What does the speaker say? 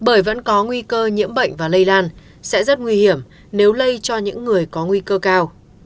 bởi vẫn có nguy cơ nhiễm bệnh và lây lan sẽ rất nguy hiểm nếu lây cho những người có nguy cơ cao